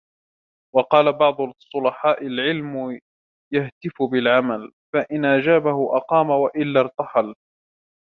وَقَالَ بَعْضُ الصُّلَحَاءِ الْعِلْمُ يَهْتِفُ بِالْعَمَلِ ، فَإِنْ أَجَابَهُ أَقَامَ وَإِلَّا ارْتَحَلَ